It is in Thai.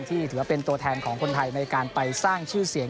ถือว่าเป็นตัวแทนของคนไทยในการไปสร้างชื่อเสียง